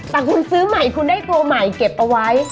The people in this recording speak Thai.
แต่คุณซื้อใหม่คุณได้ตัวใหม่เก็บเอาไว้